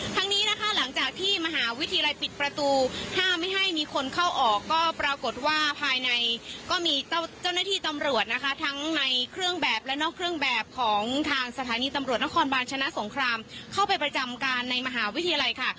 ทั้งนี้นะคะหลังจากที่มหาวิทยาลัยปิดประตูห้ามไม่ให้มีคนเข้าออกก็ปรากฏว่าภายในก็มีเจ้าหน้าที่ตำรวจนะคะทั้งในเครื่องแบบและนอกเครื่องแบบของทางสถานีตำรวจนครบาลชนะสงครามเข้าไปประจำการในมหาวิทยาลัยค่ะ